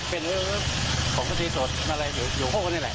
เป็นเออของเขาสีสดมารัยอยู่ห้วงเขานี่แหละ